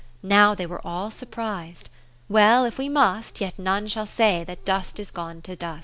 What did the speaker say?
Now they were all surpris'd. Well, if we must, Yet none shall say that dust is gone to dust.